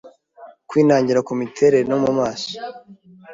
Kwinangira kumiterere no mumaso